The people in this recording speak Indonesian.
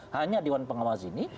hanya dewan pengawas ini